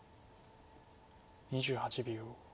２８秒。